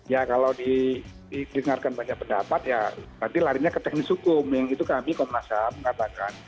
ya kalau di dengarkan banyak pendapat ya nanti larinya ke teknis hukum yang itu kami kalau masa mengatakan